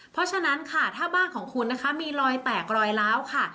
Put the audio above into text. เพราะฉะนั้นค่ะถ้าบ้านของคุณนะคะมีรอยแตกรอยล้าวค่ะ